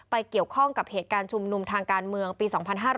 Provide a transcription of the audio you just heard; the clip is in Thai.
เกี่ยวข้องกับเหตุการณ์ชุมนุมทางการเมืองปี๒๕๕๙